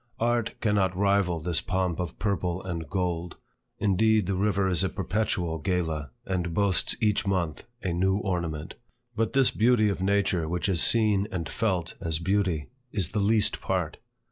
Art cannot rival this pomp of purple and gold. Indeed the river is a perpetual gala, and boasts each month a new ornament. But this beauty of Nature which is seen and felt as beauty, is the least part.